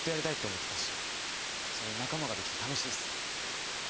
それに仲間ができて楽しいしさ。